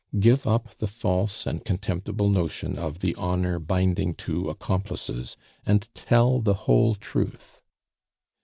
Give up the false and contemptible notion of the honor binding two accomplices, and tell the whole truth."